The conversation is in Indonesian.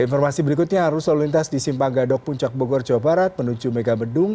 informasi berikutnya arus lalu lintas di simpang gadok puncak bogor jawa barat menuju megabedung